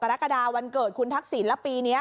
กรกฎาวันเกิดคุณทักษิณแล้วปีนี้